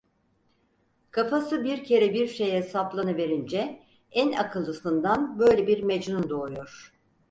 Kafası bir kere bir şeye saplanıverince en akıllısından böyle bir mecnun doğuyor!